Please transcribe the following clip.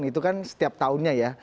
itu kan setiap tahunnya ya